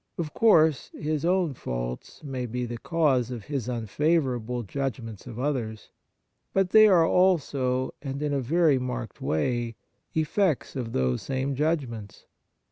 Of course his own faults may be the cause of his unfavourable judgments of others ; but they are also, and in a very marked way, effects of those same judgments.